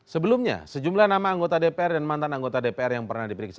sebelumnya sejumlah nama anggota dpr dan mantan anggota dpr yang pernah diperiksa